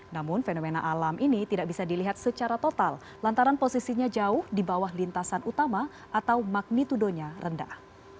namun fenomena alam ini tidak bisa dilihat secara total lantaran posisinya jauh di bawah lintasan utama atau magnitudonya rendah